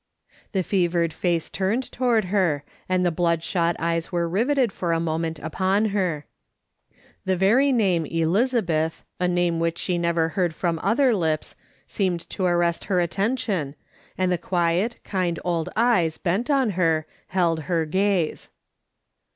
The fevered face turned toward her, and the blood shot eyes were riveted for a moment upon her. The very name " Elizabeth," a name which she never heard from other lips, seemed to arrest her attention, and the quiet, kind old eyes bent on her, held her gaze.